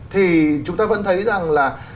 thì chúng ta vẫn thấy rằng là